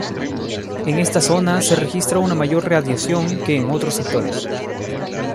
En esta zona se registra una mayor radiación que en otros sectores.